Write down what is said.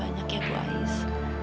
banyak ya bu ais